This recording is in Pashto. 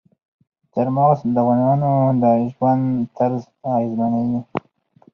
چار مغز د افغانانو د ژوند طرز اغېزمنوي.